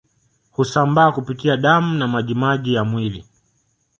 Husambaa kupitia damu na majimaji ya mwili